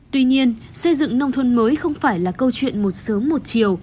tuy nhiên xây dựng nông thôn mới không phải là câu chuyện một sớm một chiều